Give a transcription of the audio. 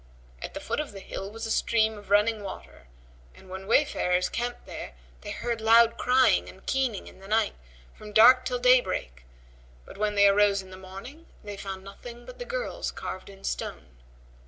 At the foot of the hill was a stream of running water, and when wayfarers camped there, they heard loud crying and keening in the night, from dark till daybreak; but when they arose in the morning, they found nothing but the girls carved in stone.